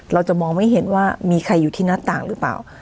เราจะมองไม่เห็นว่ามีใครอยู่ที่หน้าต่างหรือเปล่า